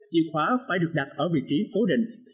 chìa khóa phải được đặt ở vị trí cố định